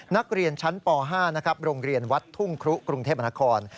นักเรียนชั้นป๕นะครับโรงเรียนวัดทุ่งครุกรุงเทพมนาคม